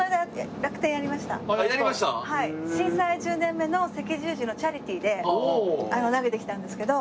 震災１０年目の赤十字のチャリティーで投げてきたんですけど。